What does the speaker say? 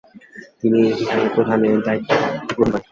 তিনি এই বিহারের প্রধানের দায়িত্ব গ্রহণ করেন।